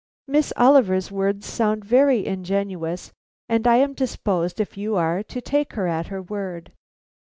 Miss Oliver's words sound very ingenuous, and I am disposed, if you are, to take her at her word.